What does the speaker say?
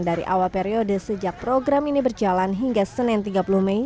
dari awal periode sejak program ini berjalan hingga senin tiga puluh mei